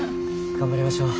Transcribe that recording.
頑張りましょう。